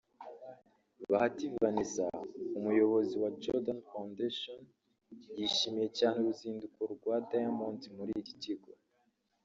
Bahati Vanessa Umuyobozi wa Jordan Foundation yishimiye cyane uru ruzinduko rwa Diamond muri iki kigo